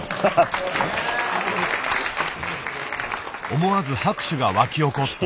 思わず拍手が沸き起こった。